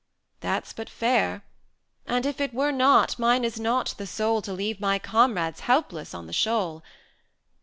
"That's but fair; And if it were not, mine is not the soul To leave my comrades helpless on the shoal.